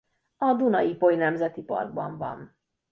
A Duna–Ipoly Nemzeti Parkban van.